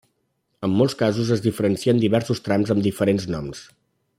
En molts casos es diferencien diversos trams amb diferents noms.